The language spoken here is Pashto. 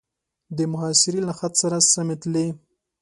د محاصرې له خط سره سمې تلې.